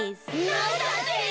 なんだって！